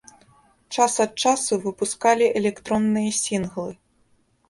Час ад часу выпускалі электронныя сінглы.